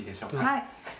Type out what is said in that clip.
はい。